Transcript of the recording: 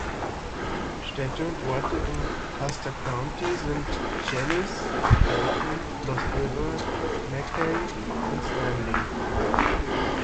Städte und Orte im Custer County sind Challis, Clayton, Lost River, Mackay und Stanley.